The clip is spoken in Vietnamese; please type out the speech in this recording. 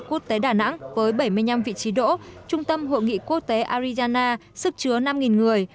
quốc tế đà nẵng với bảy mươi năm vị trí đỗ trung tâm hội nghị quốc tế arizona sức chứa năm người